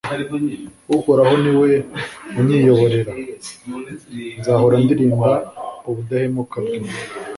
uhoraho, ni we unyiyoborera, nzahora ndirimba ubudahemuka bwe